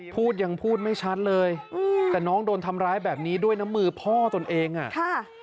พูดยังพูดไม่ชัดเลยอืมแต่น้องโดนทำร้ายแบบนี้ด้วยน้ำมือพ่อตนเองอ่ะค่ะ